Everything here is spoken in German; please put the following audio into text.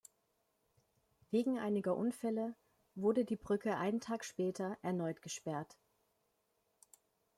Wegen einiger Unfälle wurde die Brücke einen Tag später erneut gesperrt.